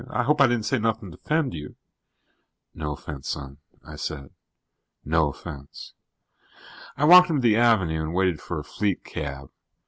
I hope I di'n' say anything to offend you." "No offense, son," I said. "No offense." I walked him to the avenue and waited for a fleet cab.